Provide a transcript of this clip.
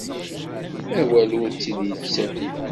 Awal ur tt-id-yettali.